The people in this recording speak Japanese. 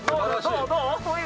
どう？